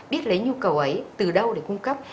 biết lấy nhu cầu ấy từ đâu để cung cấp